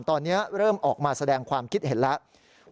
ตอนนี้เริ่มออกมาแสดงความคิดเห็นแล้ว